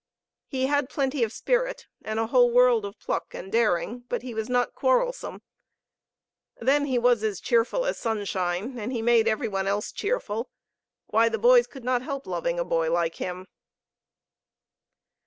He had plenty of spirit, and a whole world of pluck and daring; but he was not quarrelsome. Then he was as cheerful as sunshine, and he made every one else cheerful. Why, the boys could not help loving a boy like him.